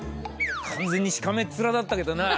完全にしかめっ面だったけどな。